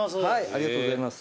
ありがとうございます。